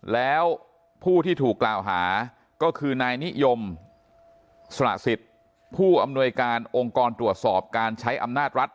แล้วผู้ที่ถูกกล่าวหาก็คือนายนิยมสละสิทธิ์ผู้อำนวยการองค์กรตรวจสอบการใช้อำนาจรัฐ